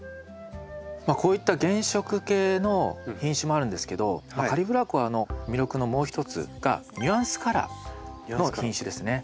こういった原色系の品種もあるんですけどカリブラコアの魅力のもう一つがニュアンスカラーの品種ですね。